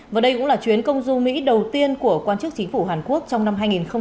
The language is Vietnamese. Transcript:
và đây cũng là chuyến công du mỹ đầu tiên của quan chức chính phủ hàn quốc trong năm hai nghìn hai mươi